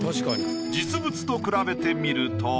実物と比べてみると。